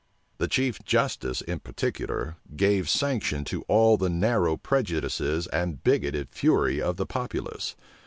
The chief justice,[] in particular, gave sanction to all the narrow prejudices and bigoted fury of the populace.